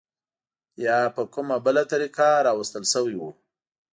یا په کومه بله طریقه راوستل شوي وو.